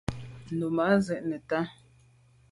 Nummb’a zin neta.